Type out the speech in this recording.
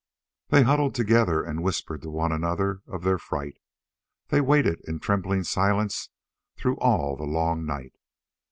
They huddled together and whispered to one another of their fright. They waited in trembling silence through all the long night.